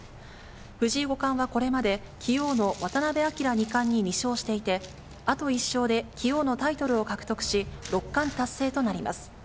藤井五冠はこれまで、棋王の渡辺明二冠に２勝していて、あと１勝で棋王のタイトルを獲得し、六冠達成となります。